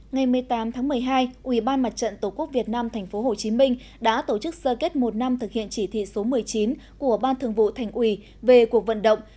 ngày một mươi tám tháng một mươi hai ủy ban mặt trận tổ quốc việt nam tp hcm đã tổ chức sơ kết một năm thực hiện chỉ thị số một mươi chín của ban thường vụ thành ủy về cuộc vận động